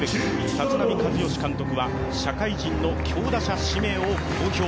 立浪監督は、社会人の強打者指名を公表。